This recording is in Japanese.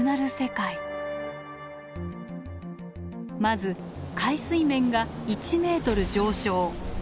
まず海水面が１ｍ上昇。